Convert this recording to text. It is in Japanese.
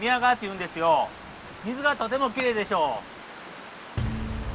水がとてもきれいでしょう？